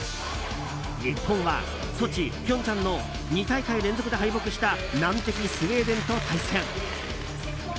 日本はソチ、平昌の２大会連続で敗北した難敵スウェーデンと対戦。